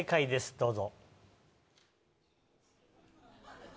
どうぞ。